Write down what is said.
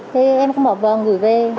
thế em cũng bảo vâng gửi về